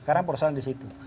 karena perusahaan di situ